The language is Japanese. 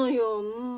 うん。